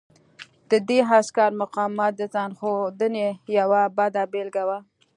د دې عسکر مقاومت د ځان ښودنې یوه بده بېلګه وه